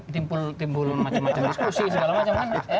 timbul macam macam diskusi segala macam kan